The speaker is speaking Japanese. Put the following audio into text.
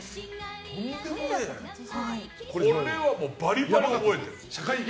これはバリバリ覚えてる。